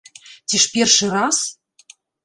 Ці ж першы раз?